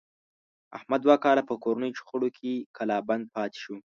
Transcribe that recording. احمد دوه کاله په کورنیو شخړو کې کلا بند پاتې شو.